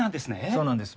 そうなんです。